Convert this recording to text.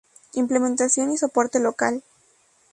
Implementación y soporte local.